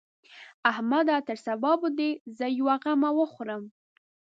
احمده! تر سبا به دې زه يوه غمه وخورم.